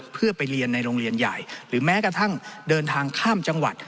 เพื่อไปเรียนในโรงเรียนใหญ่หรือแม้กระทั่งเดินทางข้ามจังหวัด